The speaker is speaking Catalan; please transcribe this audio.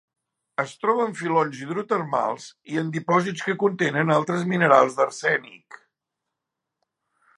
Es troba en filons hidrotermals i en dipòsits que contenen altres minerals d'arsènic.